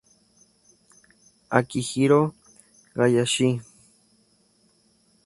Akihiro Hayashi